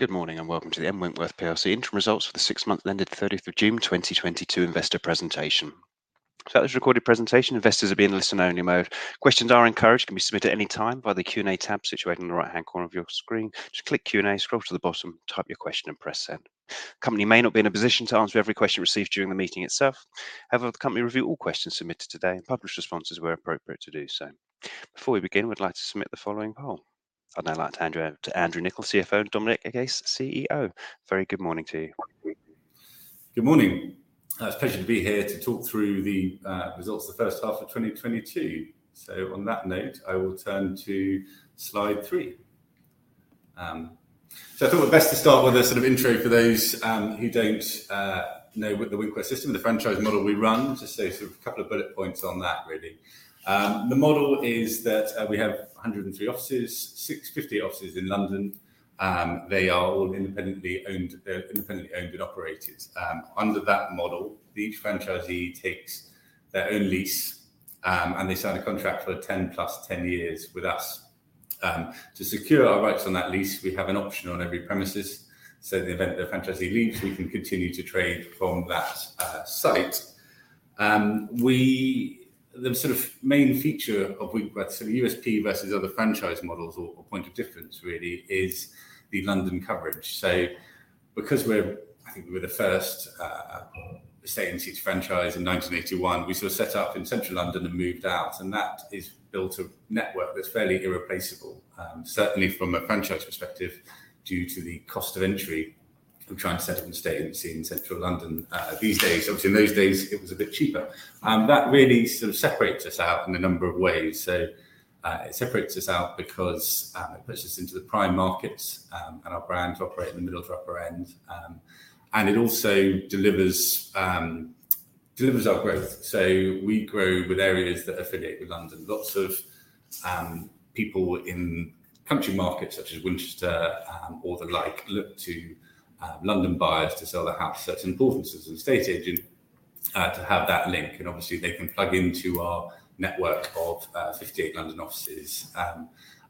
Good morning and welcome to the M Winkworth PLC interim results for the 6 months ended 30th of June 2022 investor presentation. Throughout this recorded presentation, investors will be in listen only mode. Questions are encouraged, can be submitted any time via the Q&A tab situated in the right-hand corner of your screen. Just click Q&A, scroll to the bottom, type your question and press send. The company may not be in a position to answer every question received during the meeting itself. However, the company will review all questions submitted today and publish responses where appropriate to do so. Before we begin, we'd like to submit the following poll. I'd now like to hand you over to Andrew Nicol, CFO, and Dominic Agace, CEO. Very good morning to you. Good morning. It's a pleasure to be here to talk through the results of the first half of 2022. On that note, I will turn to slide 3. I thought we best to start with a sort of intro for those who don't know the Winkworth system, the franchise model we run. Just sort of a couple of bullet points on that really. The model is that we have 103 offices, 65 offices in London. They are all independently owned. They're independently owned and operated. Under that model, each franchisee takes their own lease, and they sign a contract for 10 + 10 years with us. To secure our rights on that lease, we have an option on every premises, so in the event that a franchisee leaves, we can continue to trade from that site. The sort of main feature of Winkworth, sort of USP versus other franchise models or point of difference really is the London coverage. Because we're I think we're the first estate agency to franchise in 1981. We sort of set up in Central London and moved out, and that has built a network that's fairly irreplaceable, certainly from a franchise perspective due to the cost of entry of trying to set up an estate agency in Central London these days. Obviously in those days it was a bit cheaper. That really sort of separates us out in a number of ways. It separates us out because it puts us into the prime markets, and our brands operate in the middle to upper end. It also delivers our growth. We grow with areas that affiliate with London. Lots of people in country markets such as Winchester, or the like, look to London buyers to sell their house. That's important as an estate agent to have that link, and obviously they can plug into our network of 58 London offices,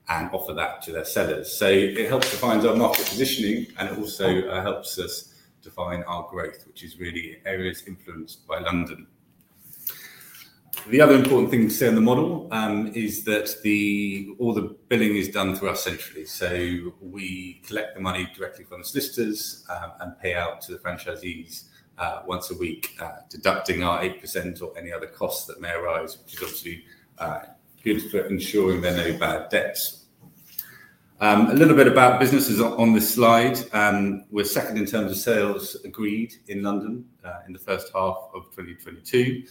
and offer that to their sellers. It helps define our market positioning and it also helps us define our growth, which is really areas influenced by London. The other important thing to say on the model is that all the billing is done through us centrally. We collect the money directly from the solicitors, and pay out to the franchisees, once a week, deducting our 8% or any other costs that may arise, which is obviously good for ensuring there are no bad debts. A little bit about businesses on this slide. We're second in terms of sales agreed in London, in the first half of 2022.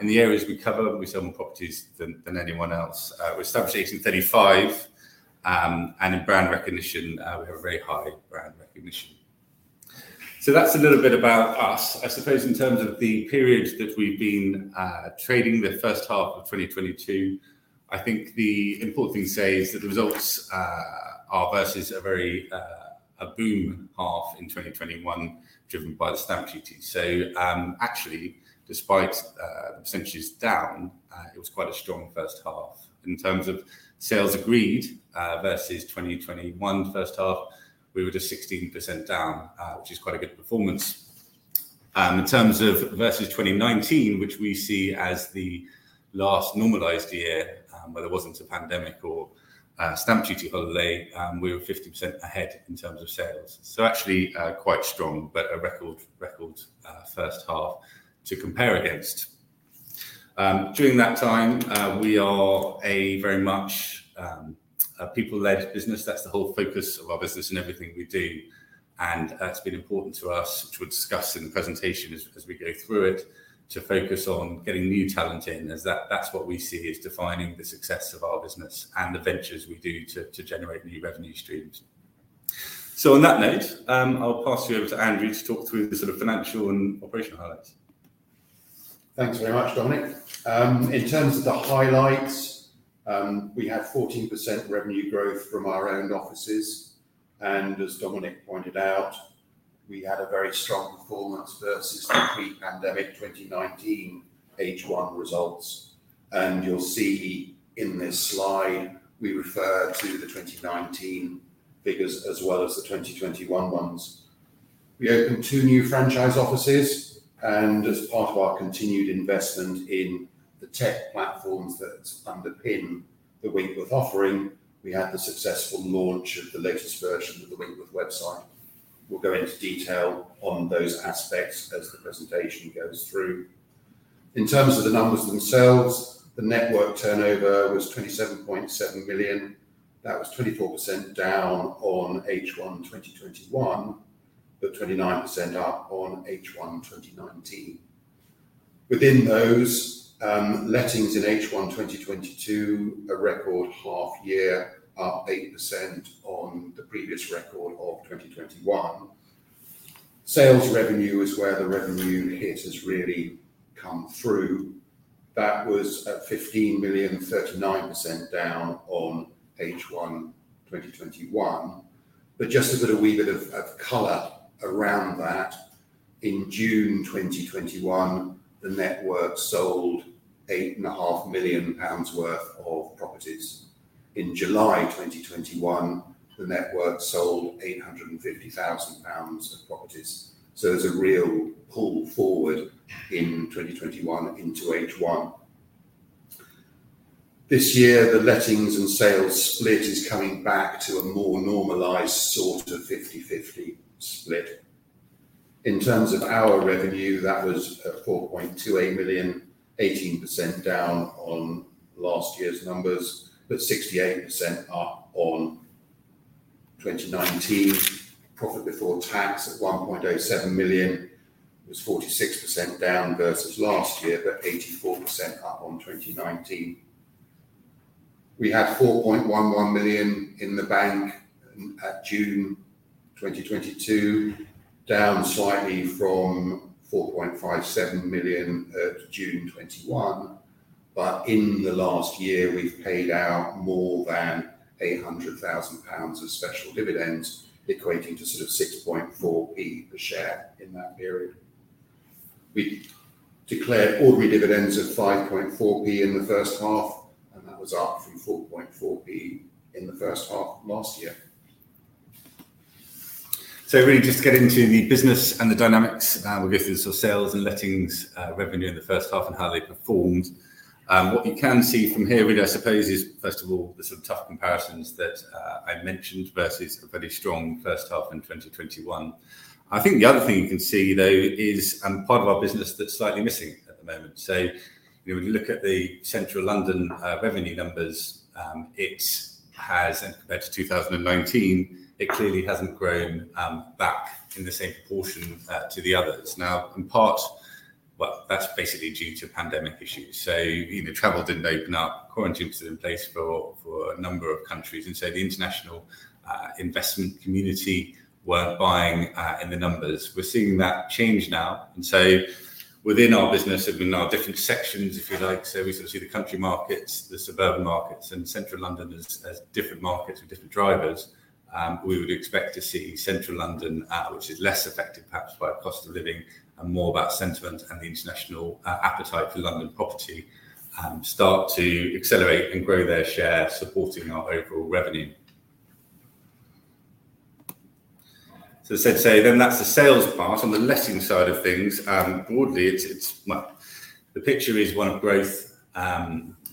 In the areas we cover, we sell more properties than anyone else. We were established 1835, and in brand recognition, we have a very high brand recognition. That's a little bit about us. I suppose in terms of the period that we've been trading the first half of 2022, I think the important thing to say is that the results are versus a very boom half in 2021 driven by the stamp duty. Actually despite percentages down, it was quite a strong first half. In terms of sales agreed versus 2021 first half, we were just 16% down, which is quite a good performance. In terms of versus 2019, which we see as the last normalized year, where there wasn't a pandemic or a stamp duty holiday, we were 50% ahead in terms of sales. Actually, quite strong, but a record first half to compare against. During that time, we are very much a people-led business. That's the whole focus of our business and everything we do, and that's been important to us, which we'll discuss in the presentation as we go through it, to focus on getting new talent in. That's what we see as defining the success of our business and the ventures we do to generate new revenue streams. On that note, I'll pass you over to Andrew to talk through the sort of financial and operational highlights. Thanks very much, Dominic. In terms of the highlights, we had 14% revenue growth from our own offices, and as Dominic pointed out, we had a very strong performance versus the pre-pandemic 2019 H1 results. You'll see in this slide we refer to the 2019 figures as well as the 2021 ones. We opened 2 new franchise offices, and as part of our continued investment in the tech platforms that underpin the Winkworth offering, we had the successful launch of the latest version of the Winkworth website. We'll go into detail on those aspects as the presentation goes through. In terms of the numbers themselves, the network turnover was 27.7 million. That was 24% down on H1 2021, but 29% up on H1 2019. Within those, lettings in H1 2022, a record half year, up 8% on the previous record of 2021. Sales revenue is where the revenue hit has really come through. That was at 15 million, 39% down on H1 2021. Just a bit of color around that. In June 2021, the network sold 8.5 million pounds worth of properties. In July 2021, the network sold 850 thousand pounds of properties. There's a real pull forward in 2021 into H1. This year, the lettings and sales split is coming back to a more normalized sort of 50/50 split. In terms of our revenue, that was at 4.28 million, 18% down on last year's numbers, but 68% up on 2019. Profit before tax at 1.07 million was 46% down versus last year, but 84% up on 2019. We had 4.11 million in the bank at June 2022, down slightly from 4.57 million at June 2021. In the last year, we've paid out more than 800,000 pounds of special dividends, equating to sort of 6.4p per share in that period. We declared ordinary dividends of 5.4p in the first half, and that was up from 4.4p in the first half of last year. Really just to get into the business and the dynamics, we'll go through the sort of sales and lettings revenue in the first half and how they performed. What you can see from here really, I suppose, is first of all, the sort of tough comparisons that I mentioned versus a very strong first half in 2021. I think the other thing you can see though is part of our business that's slightly missing at the moment. You know, when you look at the Central London revenue numbers, and compared to 2019, it clearly hasn't grown back in the same proportion to the others. Now, in part, well, that's basically due to pandemic issues. You know, travel didn't open up, quarantines were in place for a number of countries, and so the international investment community weren't buying in the numbers. We're seeing that change now, and so within our business and within our different sections, if you like, so we sort of see the country markets, the suburban markets, and Central London as different markets with different drivers, we would expect to see Central London, which is less affected perhaps by cost of living and more about sentiment and the international appetite for London property, start to accelerate and grow their share, supporting our overall revenue. As I said, then that's the sales part. On the lettings side of things, broadly, well, the picture is one of growth.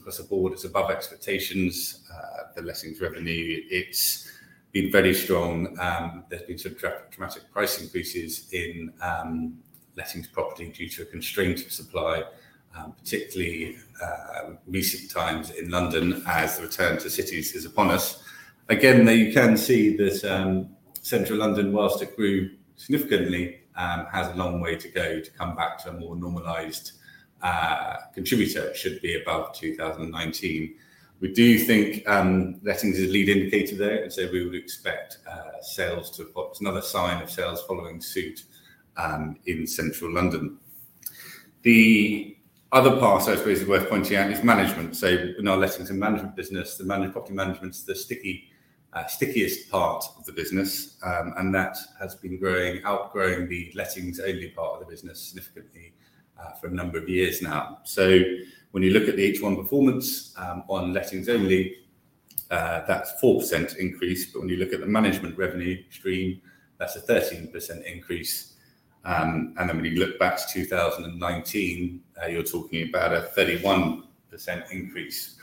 As a board, it's above expectations. The lettings revenue, it's been very strong. There's been sort of dramatic price increases in lettings property due to a constraint of supply, particularly recent times in London as the return to cities is upon us. Again, though, you can see that Central London, whilst it grew significantly, has a long way to go to come back to a more normalized contributor. It should be above 2019. We do think lettings is a lead indicator there, and so we would expect sales. Well, it's another sign of sales following suit in Central London. The other part I suppose is worth pointing out is management. So in our lettings and management business, property management's the stickiest part of the business. That has been growing, outgrowing the lettings-only part of the business significantly, for a number of years now. When you look at the H1 performance, on lettings only, that's a 4% increase. When you look at the management revenue stream, that's a 13% increase. When you look back to 2019, you're talking about a 31% increase.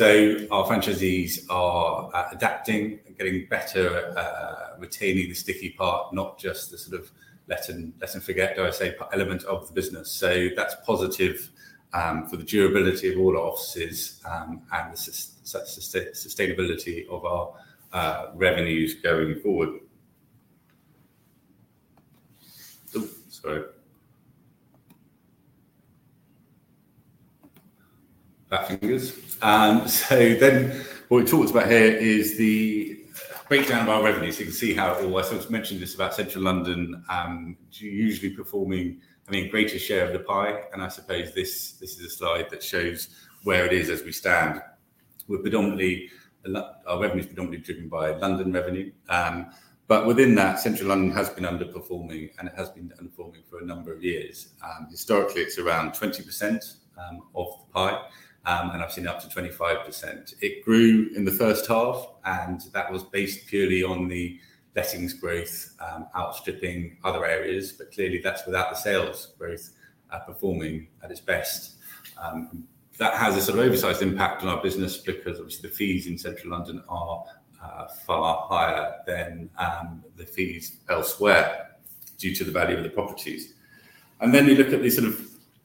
Our franchisees are adapting and getting better at retaining the sticky part, not just the sort of let and forget, dare I say, element of the business. That's positive for the durability of all our offices and the sustainability of our revenues going forward. Oh, sorry. Fat fingers. What we talked about here is the breakdown of our revenue. I sort of mentioned this about Central London, usually performing, I mean, greatest share of the pie. I suppose this is a slide that shows where it is as we stand. Our revenue is predominantly driven by London revenue. But within that, Central London has been underperforming, and it has been underperforming for a number of years. Historically, it's around 20% of the pie, and I've seen it up to 25%. It grew in the first half, and that was based purely on the lettings growth, outstripping other areas. Clearly, that's without the sales growth performing at its best. That has a sort of oversized impact on our business because obviously the fees in Central London are far higher than the fees elsewhere due to the value of the properties. We look at the sort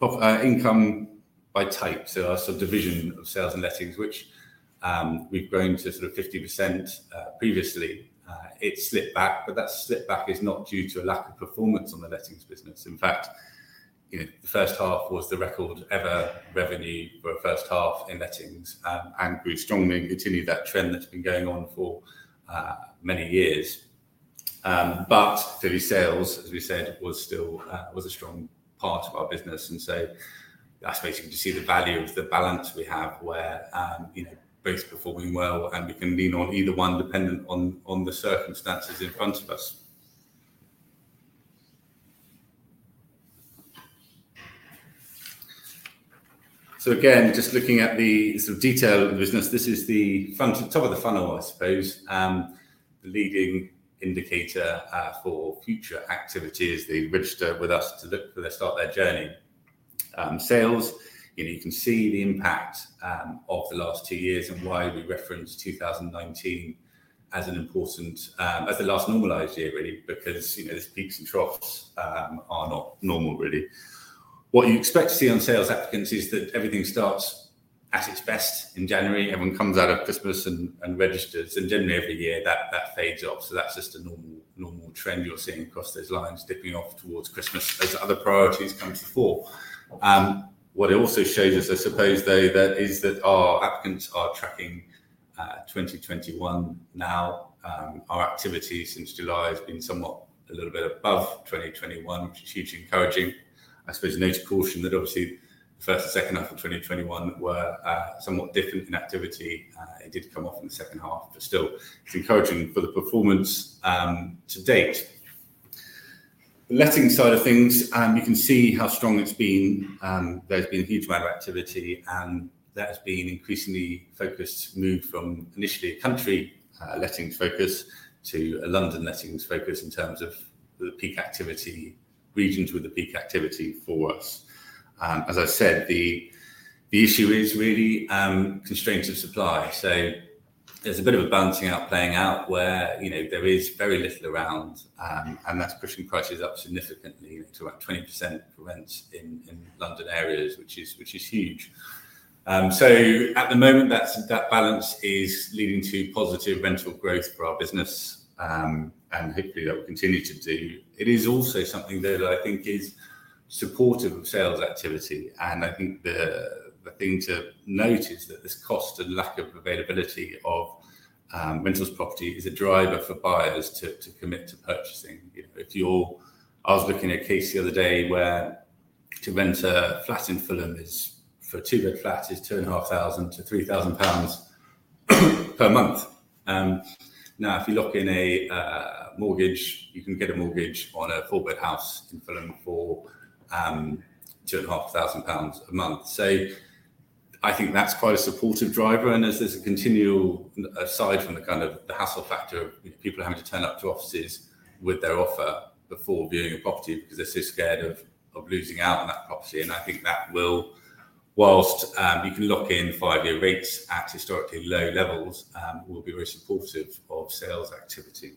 of income by type. Our subdivision of sales and lettings, which we've grown to 50%. Previously, it slipped back, but that slip back is not due to a lack of performance on the lettings business. In fact, you know, the first half was the record ever revenue for a first half in lettings and grew strongly and continued that trend that's been going on for many years. Clearly sales, as we said, was still a strong part of our business. I suppose you can just see the value of the balance we have where, you know, both performing well and we can lean on either one dependent on the circumstances in front of us. Again, just looking at the sort of detail of the business, this is the top of the funnel, I suppose. The leading indicator for future activity as they register with us to start their journey. Sales, you know, you can see the impact of the last two years and why we referenced 2019 as an important, as the last normalized year really because, you know, there's peaks and troughs are not normal really. What you expect to see on sales applicants is that everything starts at its best in January. Everyone comes out of Christmas and registers, and generally every year that fades off. That's just a normal trend you're seeing across those lines dipping off towards Christmas as other priorities come to the fore. What it also shows us, I suppose though, is that our applicants are tracking 2021 now. Our activity since July has been somewhat a little bit above 2021, which is hugely encouraging. I suppose a note of caution that obviously the first and second half of 2021 were somewhat different in activity. It did come off in the second half, but still it's encouraging for the performance to date. The letting side of things, you can see how strong it's been. There's been a huge amount of activity, and that has been increasingly focused, moved from initially a countryside lettings focus to a London lettings focus in terms of the peak activity, regions with the peak activity for us. As I said, the issue is really, constraints of supply. There's a bit of a balancing act playing out where, you know, there is very little around, and that's pushing prices up significantly to about 20% for rents in London areas, which is huge. At the moment, that balance is leading to positive rental growth for our business. Hopefully that will continue to do. It is also something though that I think is supportive of sales activity. I think the thing to note is that this cost and lack of availability of rentals property is a driver for buyers to commit to purchasing. You know, if you're—I was looking at a case the other day where to rent a flat in Fulham is, for a two-bed flat is 2,500-3,000 pounds per month. Now if you lock in a mortgage, you can get a mortgage on a four-bed house in Fulham for 2,500 pounds a month. I think that's quite a supportive driver. As there's a continual, aside from the kind of the hassle factor of, you know, people having to turn up to offices with their offer before viewing a property because they're so scared of losing out on that property. I think that will, while you can lock in five-year rates at historically low levels, will be very supportive of sales activity.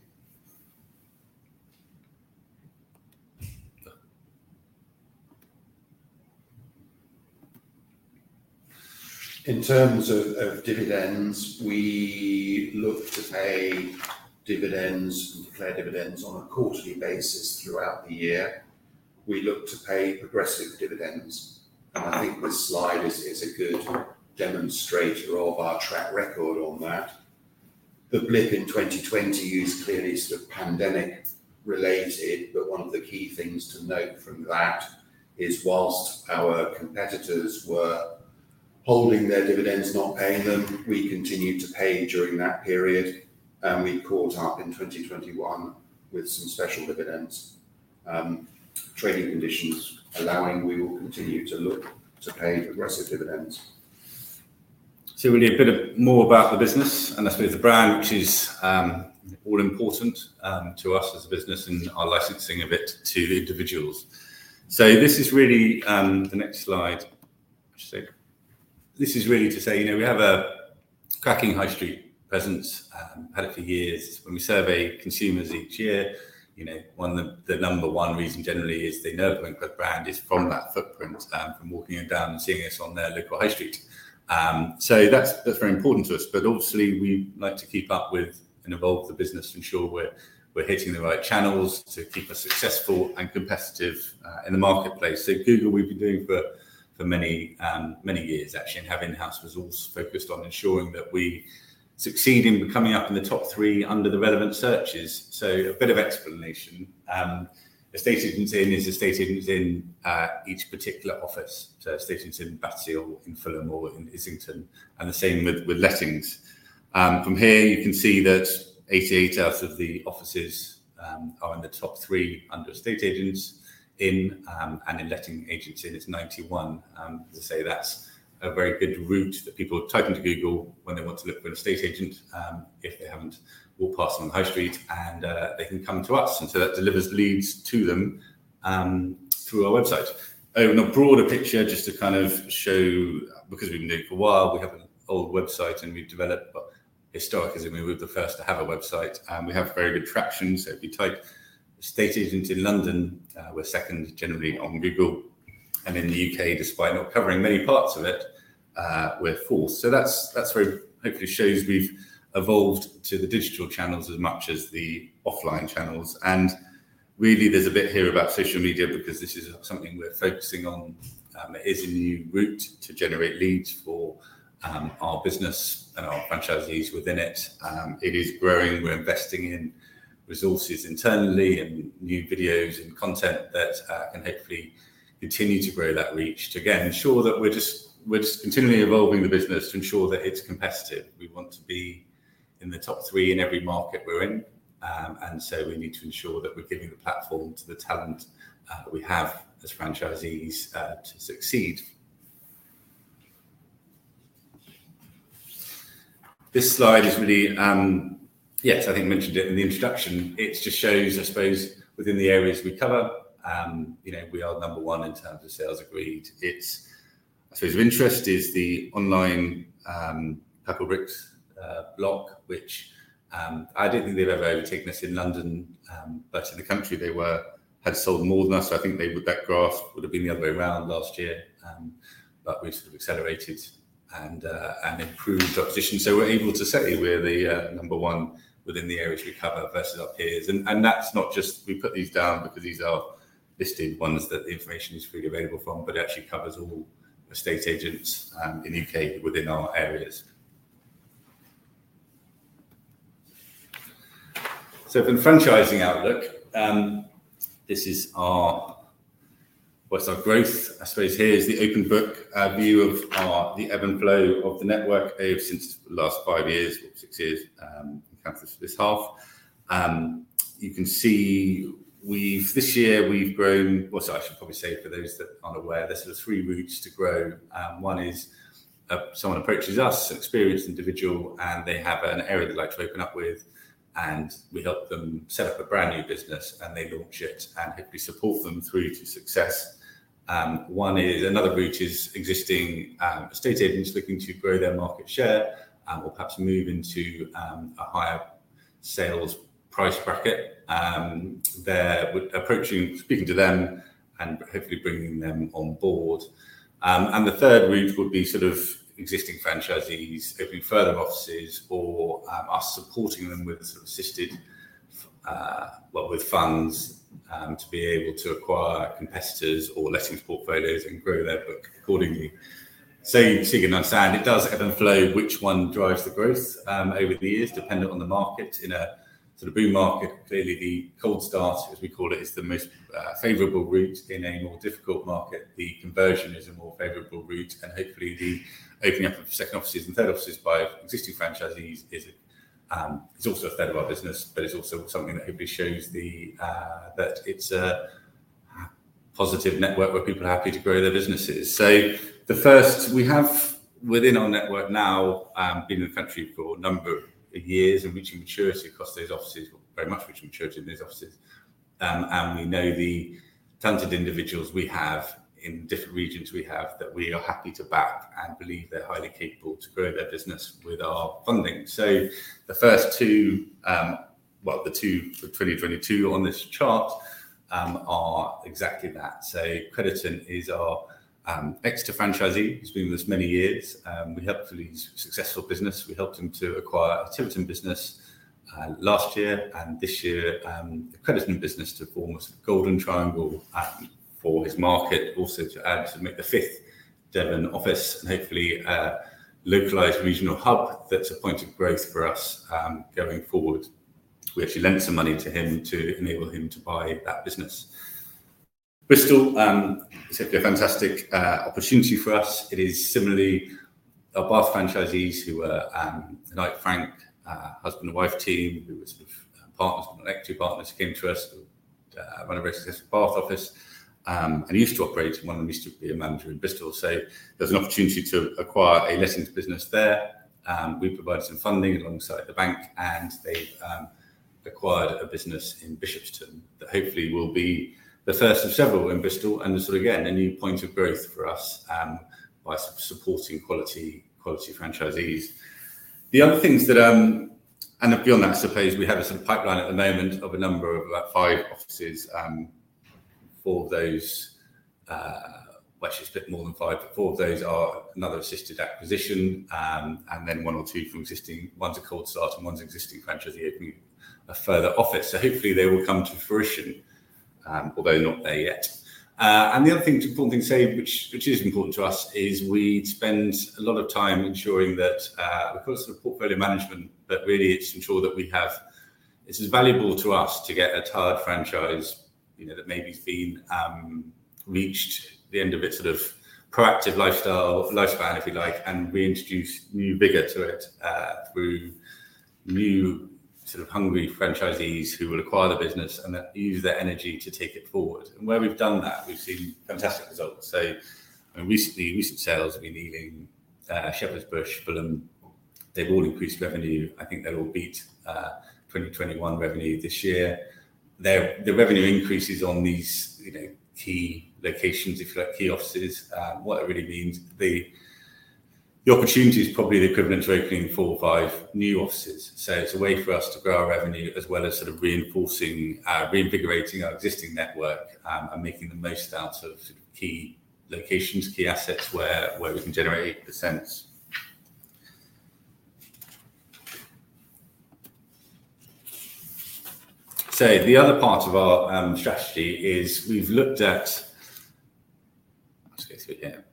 In terms of dividends, we look to pay dividends and declare dividends on a quarterly basis throughout the year. We look to pay progressive dividends, and I think this slide is a good demonstrator of our track record on that. The blip in 2020 is clearly sort of pandemic related, but one of the key things to note from that is while our competitors were holding their dividends, not paying them, we continued to pay during that period, and we caught up in 2021 with some special dividends. Trading conditions allowing, we will continue to look to pay progressive dividends. Really a bit more about the business, and that's really the brand, which is all important to us as a business and our licensing of it to the individuals. This is really the next slide. This is really to say, you know, we have a cracking high street presence, had it for years. When we survey consumers each year, you know, one of the number one reason generally is they know the Winkworth brand is from that footprint, from walking down and seeing us on their local high street. That's very important to us. Obviously, we like to keep up with and evolve the business, ensure we're hitting the right channels to keep us successful and competitive in the marketplace. Google, we've been doing for many years actually, and have in-house resource focused on ensuring that we succeed in coming up in the top 3 under the relevant searches. A bit of explanation. Estate agents in each particular office. Estate agents in Battersea or in Fulham or in Islington, and the same with lettings. From here, you can see that 88 out of the offices are in the top 3 under estate agents in and in letting agency, and it's 91. Say that's a very good route that people type into Google when they want to look for an estate agent, if they haven't walked past them on the high street, and they can come to us. That delivers leads to them through our website. In a broader picture, just to kind of show, because we've been doing it for a while, we have an old website, and we've developed, but historic as in we were the first to have a website. We have very good traction. If you type estate agent in London, we're second generally on Google. In the UK, despite not covering many parts of it, we're fourth. That's very, hopefully shows we've evolved to the digital channels as much as the offline channels. Really, there's a bit here about social media because this is something we're focusing on. It is a new route to generate leads for our business and our franchisees within it. It is growing. We're investing in resources internally and new videos and content that can hopefully continue to grow that reach to, again, ensure that we're just continually evolving the business to ensure that it's competitive. We want to be in the top three in every market we're in. We need to ensure that we're giving the platform to the talent we have as franchisees to succeed. This slide is really. I think I mentioned it in the introduction. It just shows, I suppose, within the areas we cover, you know, we are number one in terms of sales agreed. It's, I suppose, of interest is the online Purplebricks block, which I don't think they've ever overtaken us in London, but in the country they were, had sold more than us. I think that graph would have been the other way around last year. We sort of accelerated and improved our position. We're able to say we're the number one within the areas we cover versus our peers. That's not just, we put these down because these are listed ones that the information is freely available from, but actually covers all estate agents in U.K. within our areas. From franchising outlook, this is our, well, it's our growth. I suppose here is the open book view of our, the ebb and flow of the network since the last 5 years or 6 years, encompassing this half. You can see this year we've grown. I should probably say for those that aren't aware, there's sort of 3 routes to grow. One is, someone approaches us, an experienced individual, and they have an area they'd like to open up with, and we help them set up a brand new business, and they launch it, and hopefully support them through to success. One is, another route is existing estate agents looking to grow their market share, or perhaps move into a higher sales price bracket. They're approaching, speaking to them, and hopefully bringing them on board. The third route would be sort of existing franchisees opening further offices or us supporting them with sort of assisted, well, with funds to be able to acquire competitors or lettings portfolios and grow their book accordingly. As you can understand, it does ebb and flow which one drives the growth over the years dependent on the market. In a sort of boom market, clearly the cold start, as we call it, is the most favorable route. In a more difficult market, the conversion is a more favorable route. Hopefully the opening up of second offices and third offices by existing franchisees is. It's also a stage of our business, but it's also something that hopefully shows that it's a positive network where people are happy to grow their businesses. We have within our network, now have been in the country for a number of years and reaching maturity across those offices. Well, very much reaching maturity in those offices. We know the talented individuals we have in different regions that we are happy to back and believe they're highly capable to grow their business with our funding. The first two, well, the two for 2022 on this chart, are exactly that. Crediton is our Exeter franchisee. He's been with us many years. We helped with his successful business. We helped him to acquire a Tiverton business last year. This year, a Crediton business to form a Golden Triangle for his market, also to add to make the fifth Devon office and hopefully a localized regional hub that's a point of growth for us going forward. We actually lent some money to him to enable him to buy that business. Bristol simply a fantastic opportunity for us. It is similarly our Bath franchisees who are, like Frank, a husband and wife team who were sort of partners, elected partners, came to us to run a successful Bath office, and used to operate, one of them used to be a manager in Bristol. There was an opportunity to acquire a lettings business there. We provided some funding alongside the bank, and they've acquired a business in Bishopston that hopefully will be the first of several in Bristol and sort of, again, a new point of growth for us, by supporting quality franchisees. The other things that. Beyond that, I suppose, we have a sort of pipeline at the moment of a number of, like, 5 offices. Four of those, well, actually a bit more than five, but four of those are another assisted acquisition, and then one or two from existing. One's a cold start and one's existing franchisee opening a further office. Hopefully they will come to fruition, although not there yet. The other important thing to say, which is important to us, is we spend a lot of time ensuring that we've got a sort of portfolio management, but really it's to ensure that we have. It's as valuable to us to get a tired franchise, you know, that maybe has been reached the end of its sort of proactive lifestyle, lifespan, if you like, and reintroduce new vigor to it through new sort of hungry franchisees who will acquire the business and use their energy to take it forward. Where we've done that, we've seen fantastic results. I mean, recently, recent sales have been Ealing, Shepherd's Bush, Fulham. They've all increased revenue. I think they'll all beat 2021 revenue this year. The revenue increases on these, you know, key locations, if you like, key offices, what that really means, the opportunity is probably the equivalent to opening 4 or 5 new offices. It's a way for us to grow our revenue as well as sort of reinforcing, reinvigorating our existing network, and making the most out of key locations, key assets where we can generate 80%. The other part of our strategy is we've looked at. I'll just go through here.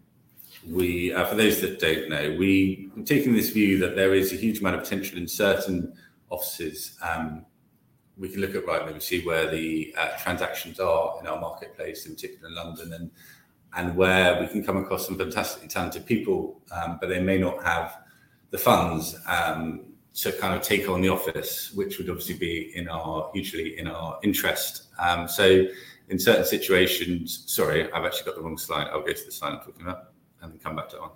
For those that don't know, we're taking this view that there is a huge amount of potential in certain offices. We can look at Rightmove and see where the transactions are in our marketplace, in particular London, and where we can come across some fantastically talented people, but they may not have the funds to kind of take on the office, which would obviously be hugely in our interest. In certain situations. Sorry, I've actually got the wrong slide. I'll go to the slide I'm talking about and then come back to that one.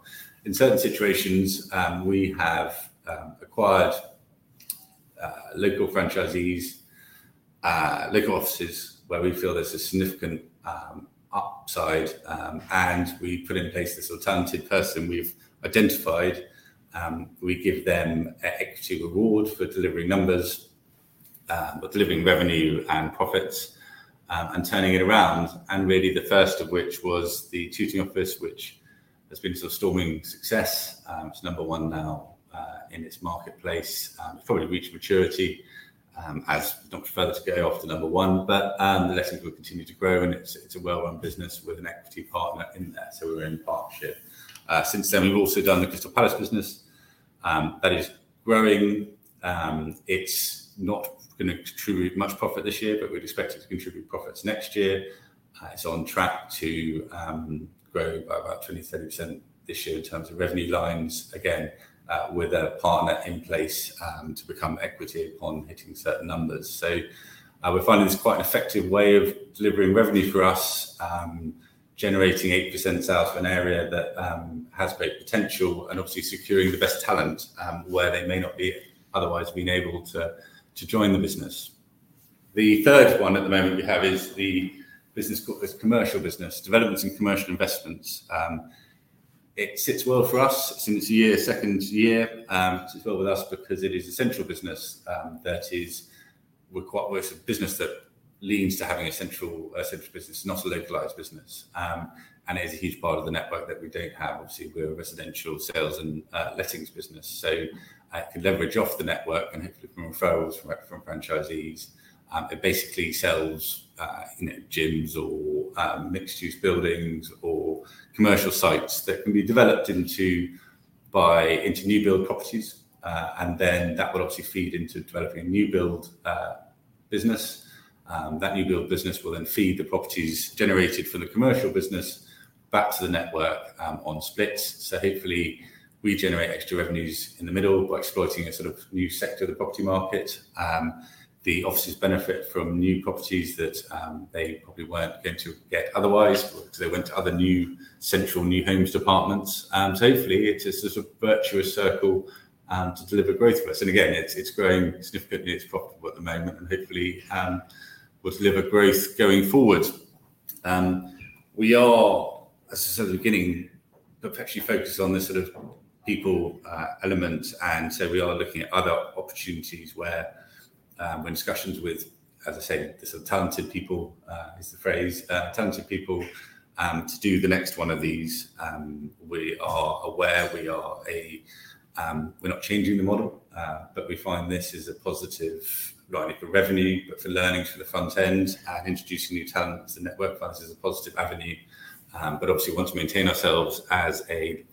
In certain situations, we have acquired local franchisees, local offices where we feel there's a significant upside, and we put in place this alternative person we've identified. We give them equity reward for delivering numbers, or delivering revenue and profits, and turning it around. Really the first of which was the Tooting office, which has been a sort of storming success. It's number one now, in its marketplace. Probably reached maturity, as not much further to go after number one. The lettings will continue to grow, and it's a well-run business with an equity partner in there, so we're in partnership. Since then we've also done the Crystal Palace business, that is growing. It's not gonna contribute much profit this year, but we'd expect it to contribute profits next year. It's on track to grow by about 20-30% this year in terms of revenue lines, again, with a partner in place to become equity upon hitting certain numbers. We're finding this quite an effective way of delivering revenue for us, generating 8% south of an area that has great potential and obviously securing the best talent, where they may not be otherwise been able to join the business. The third one at the moment we have is the business called this commercial business, developments in commercial investments. It sits well for us. It's in its second year to fill with us because it is a central business. We're a business that leans to having a central business, not a localized business. It is a huge part of the network that we don't have. Obviously, we're a residential sales and lettings business. Could leverage off the network and hopefully from referrals from reps, from franchisees. It basically sells you know gyms or mixed-use buildings or commercial sites that can be developed into new build properties. That will obviously feed into developing a new build business. That new build business will then feed the properties generated for the commercial business back to the network on splits. Hopefully we generate extra revenues in the middle by exploiting a sort of new sector of the property market. The offices benefit from new properties that they probably weren't going to get otherwise because they went to other central new homes departments. Hopefully it's a sort of virtuous circle to deliver growth for us. Again, it's growing significantly. It's profitable at the moment and hopefully will deliver growth going forward. We are, as I said at the beginning, perpetually focused on this sort of people element, and so we are looking at other opportunities where we're in discussions with, as I say, the sort of talented people is the phrase to do the next one of these. We are aware we're not changing the model, but we find this is a positive rightly for revenue, but for learning for the front end and introducing new talent to the network for us is a positive avenue. Obviously want to maintain ourselves as a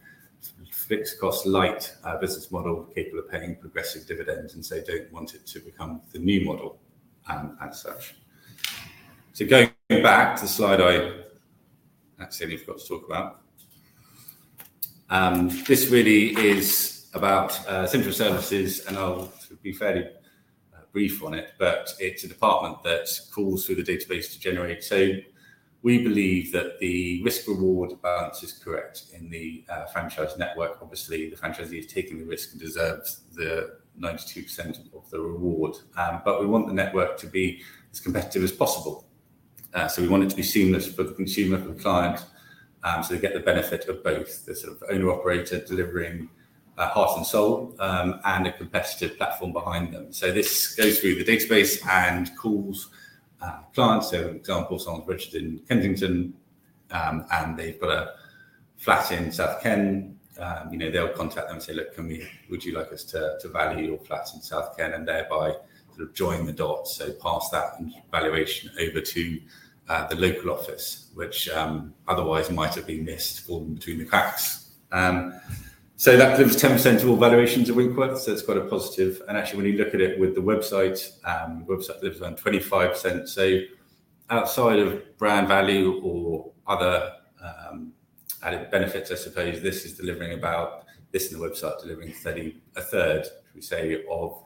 fixed cost light business model capable of paying progressive dividends, and so don't want it to become the new model, as such. Going back to the slide I accidentally forgot to talk about. This really is about central services, and I'll be fairly brief on it, but it's a department that calls through the database to generate. We believe that the risk-reward balance is correct in the franchise network. Obviously, the franchisee is taking the risk and deserves the 92% of the reward. We want the network to be as competitive as possible. We want it to be seamless for the consumer, for the client, so they get the benefit of both the sort of owner-operator delivering heart and soul and a competitive platform behind them. This goes through the database and calls clients. For example, someone's registered in Kensington and they've got a flat in South Ken. You know, they'll contact them and say, "Look, would you like us to value your flat in South Ken?" Thereby sort of join the dots. Pass that valuation over to the local office, which otherwise might have been missed, fallen between the cracks. That delivers 10% of all valuations at Winkworth, so it's quite a positive. Actually, when you look at it with the website, the website delivers around 25%. Outside of brand value or other added benefits, I suppose this and the website delivering 1/3, should we say, of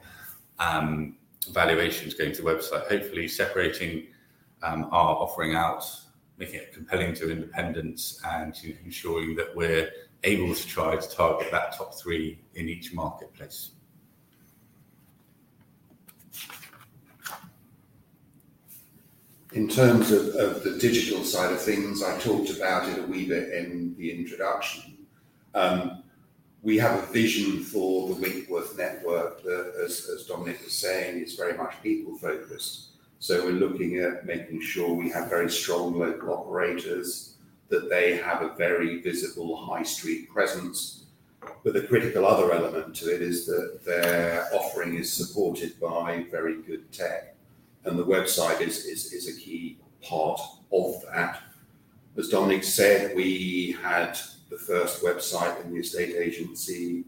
valuations going to the website. Hopefully separating our offering out, making it compelling to independents and ensuring that we're able to try to target that top three in each marketplace. In terms of the digital side of things, I talked about it a wee bit in the introduction. We have a vision for the Winkworth network that, as Dominic was saying, it's very much people focused. We're looking at making sure we have very strong local operators, that they have a very visible high street presence. The critical other element to it is that their offering is supported by very good tech, and the website is a key part of that. As Dominic said, we had the first website in the estate agency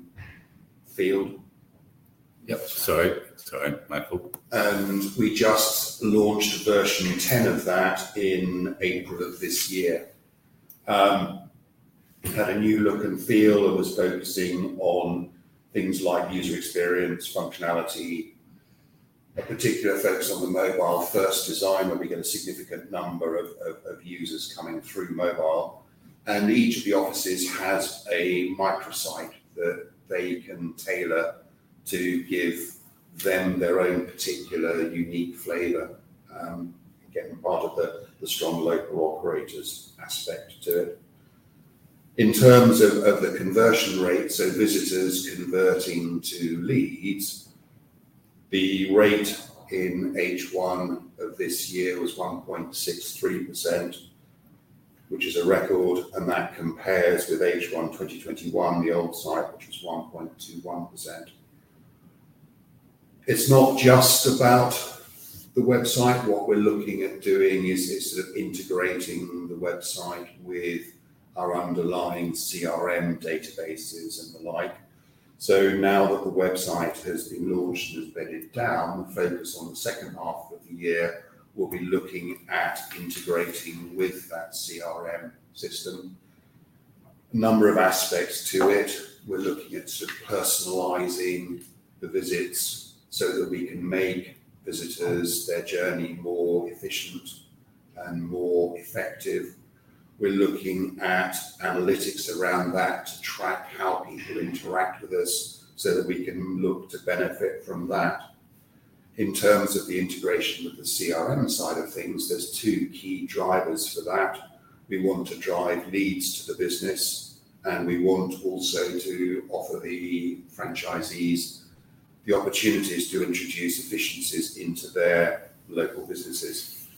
field. Yep. Sorry, Michael. We just launched version 10 of that in April of this year. Had a new look and feel and was focusing on things like user experience, functionality, a particular focus on the mobile-first design, where we get a significant number of users coming through mobile. Each of the offices has a microsite that they can tailor to give them their own particular unique flavor, again, part of the strong local operators aspect to it. In terms of the conversion rate, so visitors converting to leads, the rate in H1 of this year was 1.63%, which is a record, and that compares with H1 2021, the old site, which was 1.21%. It's not just about the website. What we're looking at doing is sort of integrating the website with our underlying CRM databases and the like. Now that the website has been launched and has bedded down, the focus on the second half of the year will be looking at integrating with that CRM system. A number of aspects to it. We're looking at sort of personalizing the visits so that we can make visitors their journey more efficient and more effective. We're looking at analytics around that to track how people interact with us, so that we can look to benefit from that. In terms of the integration with the CRM side of things, there's two key drivers for that. We want to drive leads to the business, and we want also to offer the franchisees the opportunities to introduce efficiencies into their local businesses.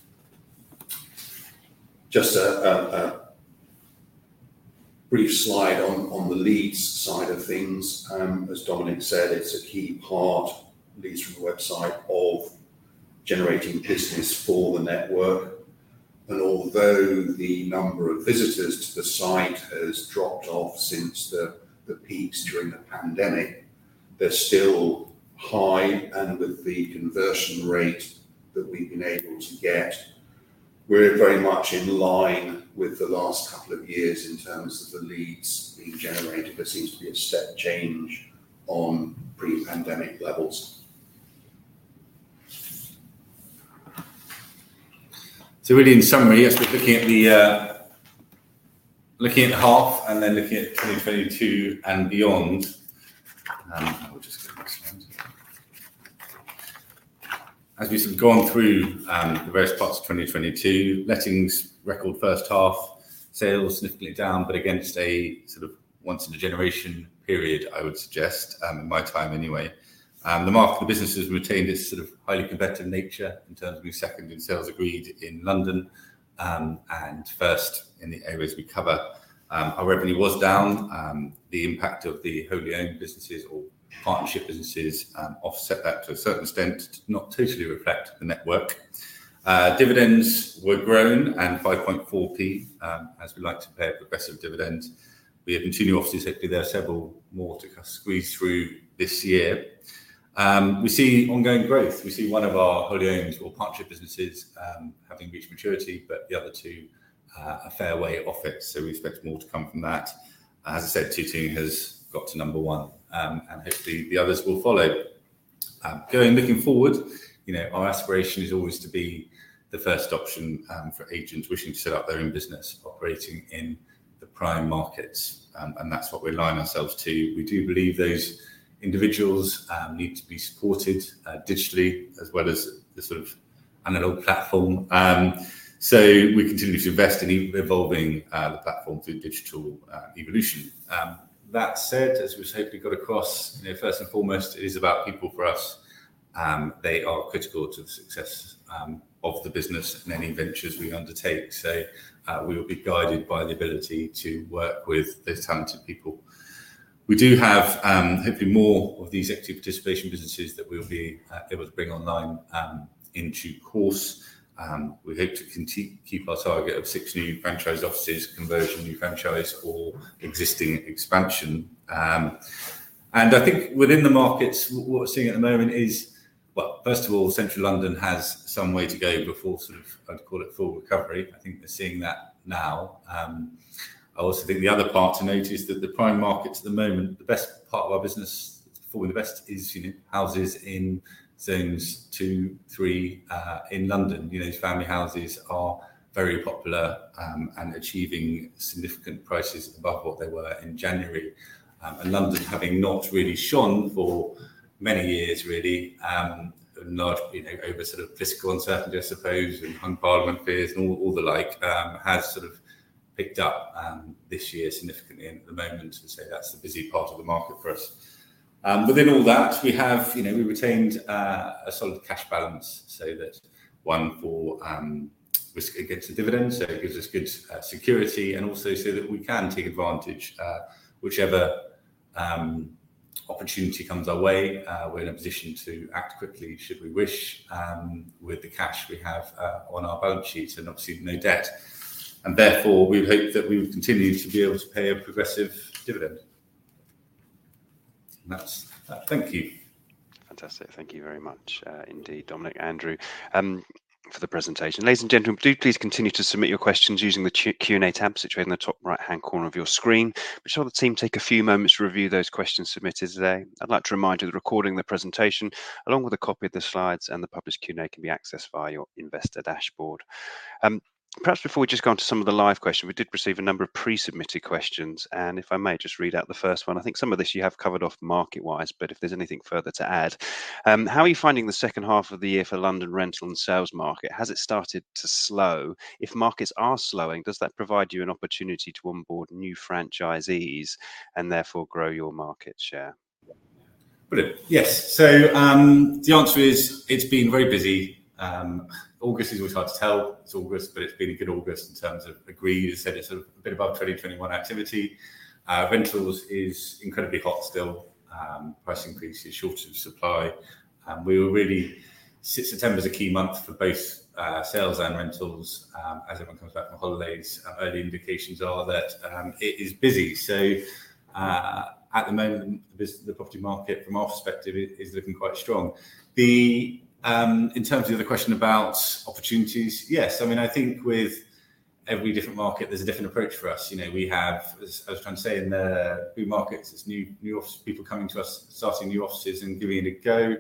Just a brief slide on the leads side of things. As Dominic said, it's a key part, leads from the website, of generating business for the network. Although the number of visitors to the site has dropped off since the peaks during the pandemic, they're still high. With the conversion rate that we've been able to get, we're very much in line with the last couple of years in terms of the leads being generated. There seems to be a step change on pre-pandemic levels. Really in summary, yes, we're looking at the half and then looking at 2022 and beyond. I will just go to the next slide. As we've sort of gone through the various parts of 2022, lettings record first half, sales significantly down, but against a sort of once in a generation period, I would suggest, in my time anyway. The market for businesses retained its sort of highly competitive nature in terms of being second in sales agreed in London, and first in the areas we cover. Our revenue was down. The impact of the wholly owned businesses or partnership businesses offset that to a certain extent, not totally reflect the network. Dividends were grown and 5.4p, as we like to pay a progressive dividend. We continue obviously to say there are several more to kind of squeeze through this year. We see ongoing growth. We see one of our wholly owned or partnership businesses, having reached maturity, but the other two, a fair way off it, so we expect more to come from that. As I said, Tooting has got to number one, and hopefully the others will follow. Going forward, you know, our aspiration is always to be the first option for agents wishing to set up their own business operating in the prime markets. That's what we align ourselves to. We do believe those individuals need to be supported digitally as well as the sort of analog platform. We continue to invest in evolving the platform through digital evolution. That said, as we've hopefully got across, you know, first and foremost, it is about people for us. They are critical to the success of the business and any ventures we undertake. We will be guided by the ability to work with those talented people. We do have, hopefully more of these active participation businesses that we'll be able to bring online in due course. We hope to keep our target of 6 new franchise offices, conversion new franchise or existing expansion. I think within the markets, what we're seeing at the moment is. Well, first of all, Central London has some way to go before sort of, I'd call it, full recovery. I think we're seeing that now. I also think the other part to note is that the prime markets at the moment, the best part of our business, probably the best, is, you know, houses in zones 2, 3 in London. You know, those family houses are very popular and achieving significant prices above what they were in January. London having not really shone for many years really, largely over sort of fiscal uncertainty, I suppose, and hung parliament fears and all the like, has sort of picked up this year significantly. At the moment, we'd say that's the busy part of the market for us. Within all that, we have, you know, we retained a solid cash balance, so that's one for risk against the dividend, so it gives us good security and also so that we can take advantage whichever opportunity comes our way, we're in a position to act quickly should we wish with the cash we have on our balance sheet and obviously no debt. Therefore, we hope that we will continue to be able to pay a progressive dividend. That's that. Thank you. Fantastic. Thank you very much, indeed, Dominic, Andrew, for the presentation. Ladies and gentlemen, do please continue to submit your questions using the Q&A tab situated in the top right-hand corner of your screen. Be sure the team take a few moments to review those questions submitted today. I'd like to remind you the recording of the presentation, along with a copy of the slides and the published Q&A, can be accessed via your investor dashboard. Perhaps before we just go on to some of the live questions, we did receive a number of pre-submitted questions, and if I may just read out the first one. I think some of this you have covered off market-wise, but if there's anything further to add. How are you finding the second half of the year for London rental and sales market? Has it started to slow? If markets are slowing, does that provide you an opportunity to onboard new franchisees and therefore grow your market share? Brilliant. Yes. The answer is it's been very busy. August is always hard to tell. It's August, but it's been a good August in terms of agreed. As I said, it's a bit above 2021 activity. Rentals is incredibly hot still. Price increases, shortage of supply. September is a key month for both sales and rentals as everyone comes back from holidays. Early indications are that it is busy. At the moment, the property market from our perspective is looking quite strong. In terms of the other question about opportunities, yes. I mean, I think with every different market, there's a different approach for us. You know, we have, as I was trying to say in the new markets, people coming to us, starting new offices and giving it a go.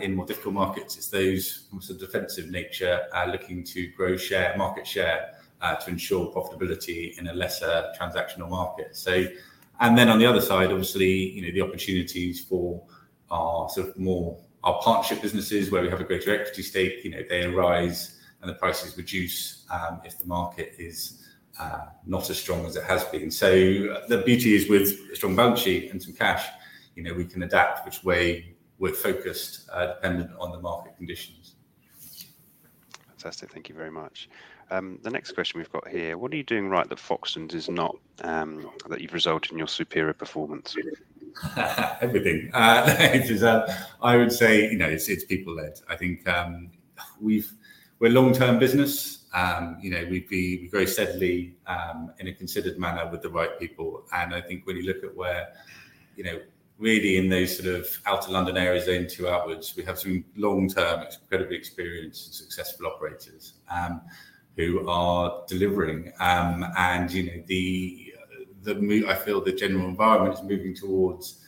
In more difficult markets, it's those almost a defensive nature, looking to grow market share to ensure profitability in a lesser transactional market. On the other side, obviously, you know, the opportunities for our sort of more our partnership businesses where we have a greater equity stake, you know, they arise and the prices reduce, if the market is not as strong as it has been. The beauty is with a strong balance sheet and some cash, you know, we can adapt which way we're focused, dependent on the market conditions. Fantastic. Thank you very much. The next question we've got here, what are you doing right that Foxtons is not, that you've resulted in your superior performance? Everything. It is, I would say, you know, it's people-led. I think we're a long-term business. You know, we grow steadily in a considered manner with the right people. I think when you look at where, you know, really in those sort of Outer London areas zone two outwards, we have some long-term, incredibly experienced and successful operators who are delivering. You know, I feel the general environment is moving towards,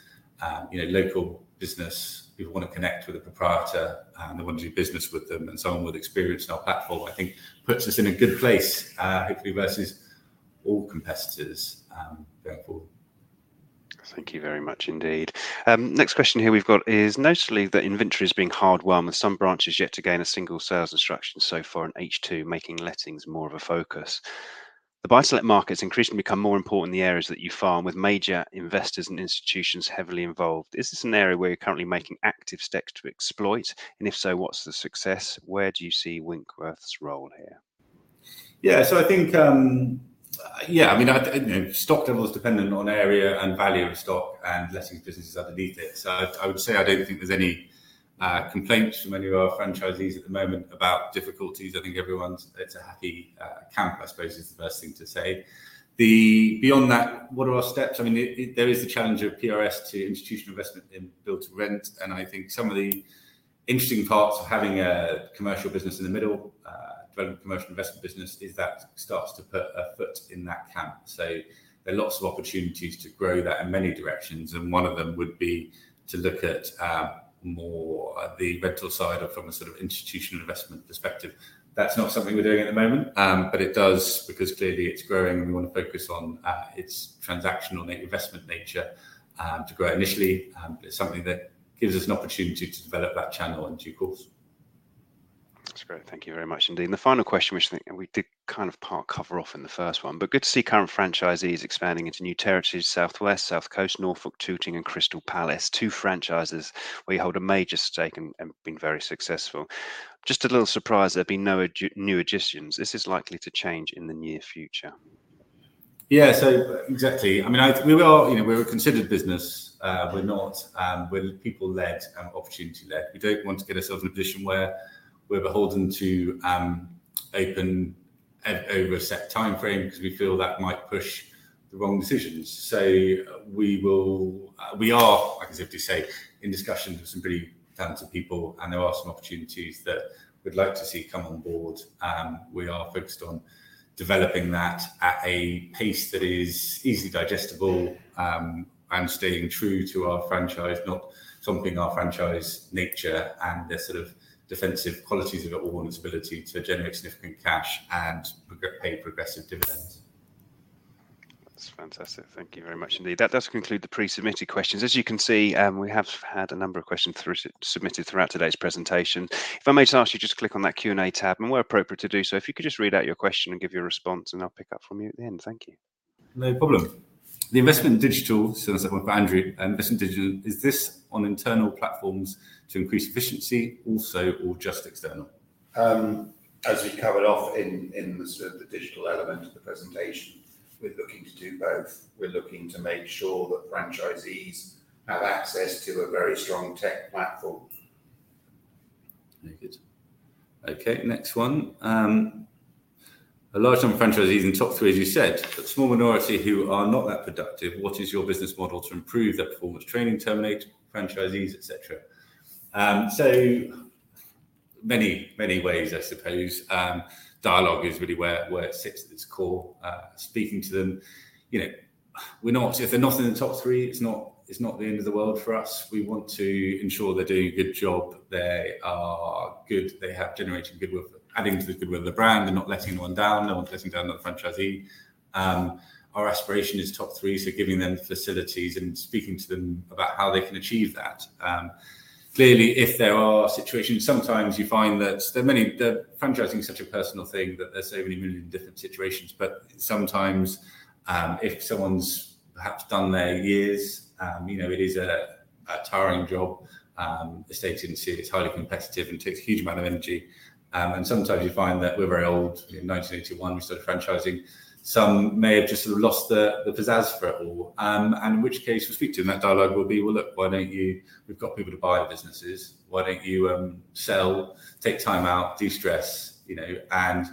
you know, local business. People wanna connect with the proprietor, they wanna do business with them, and someone with experience and our platform, I think puts us in a good place, hopefully versus all competitors, going forward. Thank you very much indeed. Next question here we've got is, notably the inventory is being hard won, with some branches yet to gain a single sales instruction so far in H2, making lettings more of a focus. The buy-to-let market has increasingly become more important in the areas that you farm, with major investors and institutions heavily involved. Is this an area where you're currently making active steps to exploit? And if so, what's the success? Where do you see Winkworth's role here? Yeah. I think, I mean, you know, stock level is dependent on area and value of stock and lettings businesses underneath it. I would say I don't think there's any complaints from any of our franchisees at the moment about difficulties. I think everyone's. It's a happy camp, I suppose, is the first thing to say. Beyond that, what are our steps? I mean, there is the challenge of PRS to institutional investment in build to rent, and I think some of the interesting parts of having a commercial business in the middle, development commercial investment business, is that starts to put a foot in that camp. There are lots of opportunities to grow that in many directions, and one of them would be to look at, more the rental side or from a sort of institutional investment perspective. That's not something we're doing at the moment, but it does because clearly it's growing, and we wanna focus on, its transactional investment nature, to grow initially. But it's something that gives us an opportunity to develop that channel in due course. That's great. Thank you very much indeed. The final question, which I think, and we did kind of part cover off in the first one, but good to see current franchisees expanding into new territories, Southwest, South Coast, Norfolk, Tooting and Crystal Palace. Two franchises where you hold a major stake and been very successful. Just a little surprised there have been no new additions. This is likely to change in the near future. Yeah. Exactly. I mean, we are, you know, we're a considered business. We're not, we're people-led, opportunity-led. We don't want to get ourselves in a position where we're beholden to open over a set timeframe because we feel that might push the wrong decisions. We will, we are, I guess if you say, in discussion with some pretty talented people, and there are some opportunities that we'd like to see come on board. We are focused on developing that at a pace that is easily digestible, and staying true to our franchise, not thumping our franchise nature and the sort of defensive qualities of it all and its ability to generate significant cash and progressively pay progressive dividends. That's fantastic. Thank you very much indeed. That does conclude the pre-submitted questions. As you can see, we have had a number of questions submitted throughout today's presentation. If I may just ask you to click on that Q&A tab, and where appropriate to do so, if you could just read out your question and give your response, and I'll pick up from you at the end. Thank you. No problem. The investment in digital, so the second one from Andrew, investment in digital, is this on internal platforms to increase efficiency also or just external? As we covered off in the sort of digital element of the presentation, we're looking to do both. We're looking to make sure that franchisees have access to a very strong tech platform. Very good. Okay, next one. A large number of franchisees in top three, as you said, but small minority who are not that productive. What is your business model to improve their performance? Training, terminate franchisees, et cetera? Many ways, I suppose. Dialogue is really where it sits at its core. Speaking to them, you know, if they're not in the top three, it's not the end of the world for us. We want to ensure they're doing a good job. They are good. They have generated goodwill, adding to the goodwill of the brand. They're not letting anyone down. No one's letting down another franchisee. Our aspiration is top three, so giving them facilities and speaking to them about how they can achieve that. Clearly if there are situations, sometimes you find that franchising is such a personal thing that there's so many million different situations. Sometimes, if someone's perhaps done their years, you know, it is a tiring job. Estate agency is highly competitive and takes a huge amount of energy. Sometimes you find that we're very old. In 1981 we started franchising. Some may have just sort of lost the pizzazz for it all. In which case we speak to them, that dialogue will be, "Well, look, we've got people to buy the businesses. Why don't you sell, take time out, de-stress, you know, and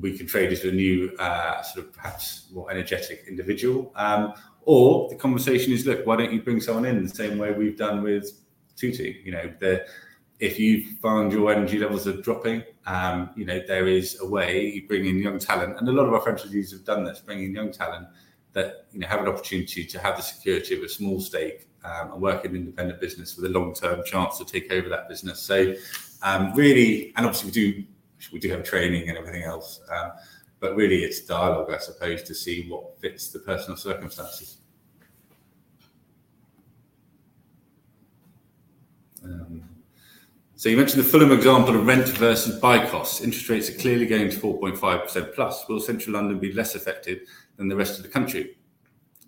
we can trade you to a new, sort of perhaps more energetic individual." Or the conversation is, "Look, why don't you bring someone in the same way we've done with Tooting?" You know, if you've found your energy levels are dropping, you know, there is a way, you bring in young talent, and a lot of our franchisees have done this, bring in young talent that, you know, have an opportunity to have the security of a small stake, and work in an independent business with a long-term chance to take over that business. Really, and obviously we have training and everything else, but really it's dialogue, I suppose, to see what fits the personal circumstances. You mentioned the Fulham example of rent versus buy costs. Interest rates are clearly going to 4.5% plus. Will Central London be less affected than the rest of the country?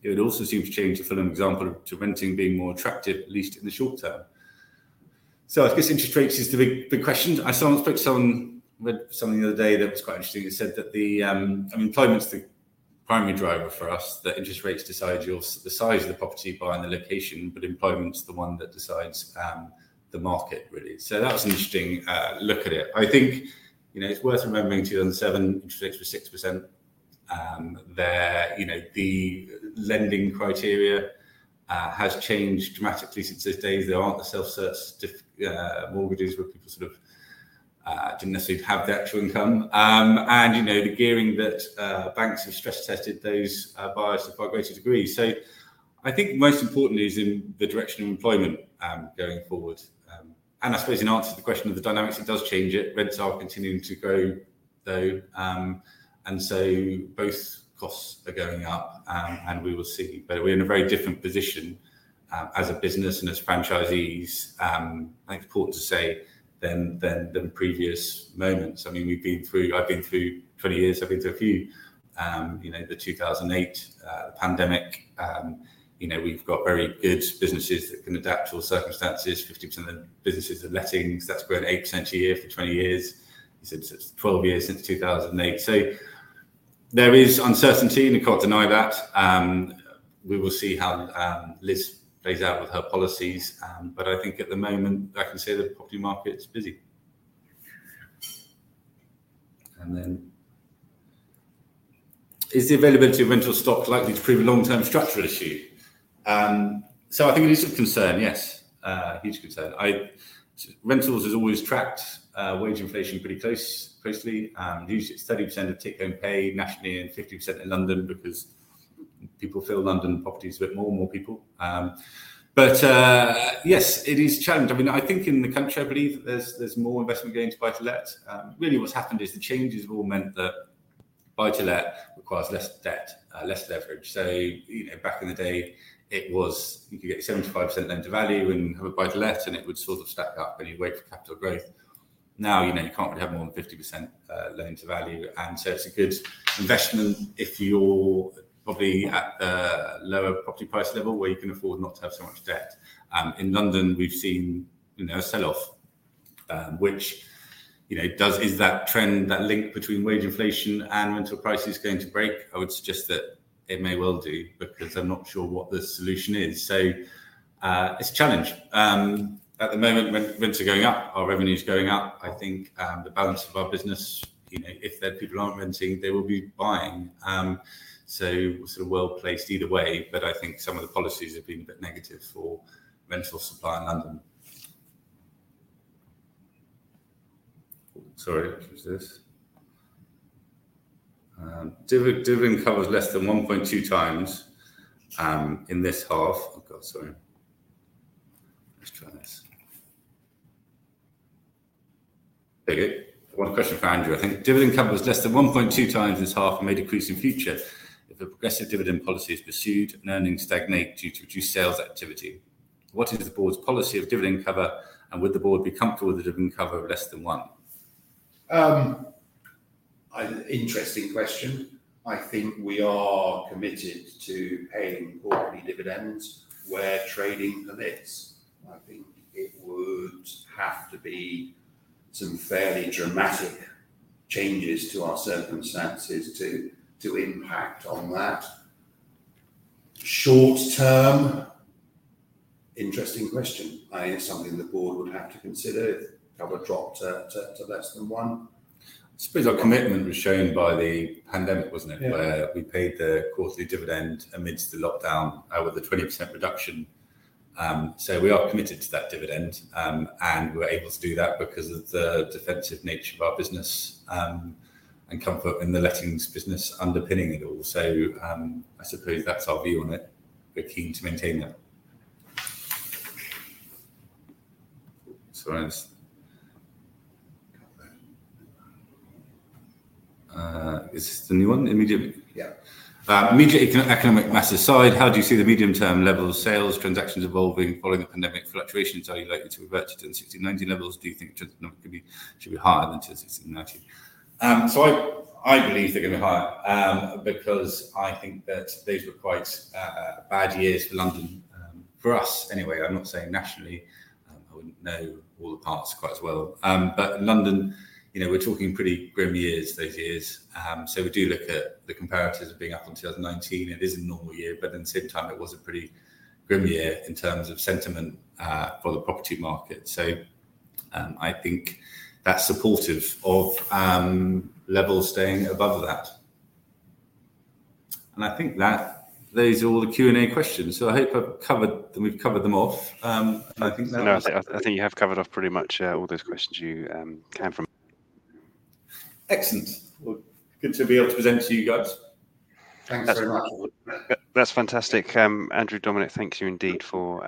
It would also seem to change the Fulham example to renting being more attractive, at least in the short term. I guess interest rates is the big, big question. I spoke to someone the other day that was quite interesting, who said that the, I mean, employment's the primary driver for us, that interest rates decide the size of the property you buy and the location, but employment's the one that decides the market really. That was an interesting look at it. I think, you know, it's worth remembering 2007 interest rates were 6%. You know, the lending criteria has changed dramatically since those days. There aren't the self-cert mortgages where people sort of didn't necessarily have the actual income. You know, the gearing that banks have stress tested those buyers to a far greater degree. I think most importantly is in the direction of employment going forward. I suppose in answer to the question of the dynamics, it does change it. Rents are continuing to grow though, and so both costs are going up, and we will see. We're in a very different position as a business and as franchisees. I think important to say than previous moments. I mean, we've been through. I've been through 20 years. I've been through a few, you know, the 2008 pandemic. you know, we've got very good businesses that can adapt to all circumstances. 50% of the businesses are lettings, that's grown 8% a year for 20 years. It's 12 years since 2008. There is uncertainty and I can't deny that. We will see how Liz plays out with her policies. I think at the moment I can say the property market's busy. Is the availability of rental stock likely to prove a long-term structural issue? I think it is of concern, yes, a huge concern. Rentals has always tracked wage inflation pretty closely. Yes, it is a challenge. I mean, I think in the country, I believe that there's more investment going to buy-to-let. Really, what's happened is the changes have all meant that buy-to-let requires less debt, less leverage. You know, back in the day, it was, you could get 75% loan-to-value and have a buy-to-let, and it would sort of stack up, and you'd wait for capital growth. Now, you know, you can't really have more than 50% loan-to-value. It's a good investment if you're probably at a lower property price level where you can afford not to have so much debt. In London, we've seen, you know, a sell-off. Is that trend, that link between wage inflation and rental prices going to break? I would suggest that it may well do, because I'm not sure what the solution is. It's a challenge. At the moment rents are going up, our revenue's going up. I think the balance of our business, you know, if the people aren't renting, they will be buying. We're sort of well-placed either way, but I think some of the policies have been a bit negative for rental supply in London. Sorry, which was this? Dividend cover is less than 1.2 times in this half. One question for Andrew. I think dividend cover is less than 1.2 times this half and may decrease in future if the progressive dividend policy is pursued and earnings stagnate due to reduced sales activity. What is the board's policy of dividend cover, and would the board be comfortable with a dividend cover of less than one? Um- Interesting question. I think we are committed to paying quarterly dividends where trading permits. I think it would have to be some fairly dramatic changes to our circumstances to impact on that. Short term, interesting question, I think it's something the board would have to consider if ever dropped to less than one. I suppose our commitment was shown by the pandemic, wasn't it? Yeah. Where we paid the quarterly dividend amidst the lockdown with a 20% reduction. We are committed to that dividend, and we were able to do that because of the defensive nature of our business, and comfort in the lettings business underpinning it all. I suppose that's our view on it. We're keen to maintain that. Sorry, I just got that. Is this the new one? Yeah. Immediate macro-economic matters aside, how do you see the medium term level of sales transactions evolving following the pandemic fluctuations? Are you likely to revert to the 2019 levels? Do you think they should be higher than 2019? I believe they're gonna be higher, because I think that those were quite bad years for London. For us anyway, I'm not saying nationally, I wouldn't know all the parts quite as well. But London, you know, we're talking pretty grim years those years. We do look at the comparatives of being up until 2019. It is a normal year, but at the same time it was a pretty grim year in terms of sentiment for the property market. I think that's supportive of levels staying above that. I think that those are all the Q&A questions. I hope I've covered, that we've covered them off. No, I think you have covered off pretty much all those questions you came from. Excellent. Well, good to be able to present to you guys. Thanks very much. That's wonderful. That's fantastic. Andrew, Dominic, thank you indeed for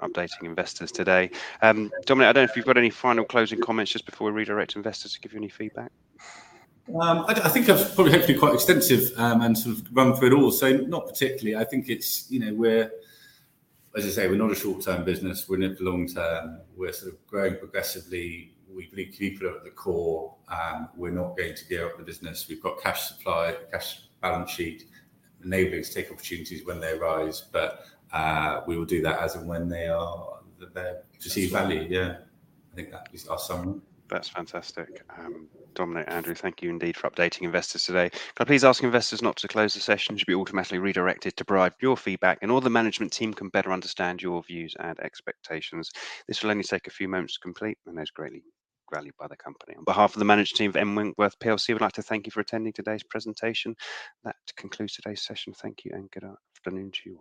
updating investors today. Dominic, I don't know if you've got any final closing comments just before we redirect to investors to give you any feedback. I think I've probably hopefully quite extensive and sort of run through it all, so not particularly. I think it's, you know, as I say, we're not a short-term business, we're in it for long term. We're sort of growing progressively. We believe keep it at the core. We're not going to gear up the business. We've got cash supply, cash balance sheet enabling us to take opportunities when they arise. We will do that as and when they are, they're perceived value. Yeah. I think that is our summary. That's fantastic. Dominic, Andrew, thank you indeed for updating investors today. Can I please ask investors not to close the session? You should be automatically redirected to provide your feedback and all the management team can better understand your views and expectations. This will only take a few moments to complete, and is greatly valued by the company. On behalf of the management team of M Winkworth PLC, we'd like to thank you for attending today's presentation. That concludes today's session. Thank you and good afternoon to you all.